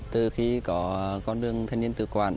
từ khi có con đường thanh niên tự quản